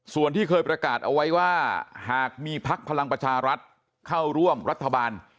ส่วนที่เคยประกาศเอาไว้ว่าหากมีพักพลังประชารัฐเข้าร่วมรัฐบาล